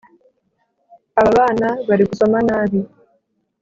aba bana bari gusoma nabi